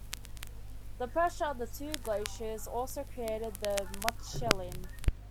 The pressure of the two glaciers also created the Mutschellen.